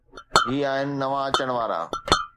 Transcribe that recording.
هي آهن نوان اچڻ وارا.